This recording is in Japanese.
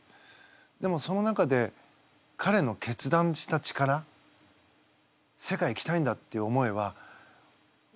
でもその中でかれの決断した力世界行きたいんだっていう思いはだれよりも感じてました。